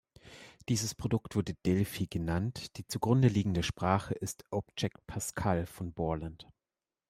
Dieses Produkt wurde Delphi genannt, die zugrundeliegende Sprache ist "Object Pascal" von Borland.